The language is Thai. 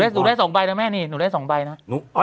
หนูได้๒ใบนะหนูถูกถูกจริงรอ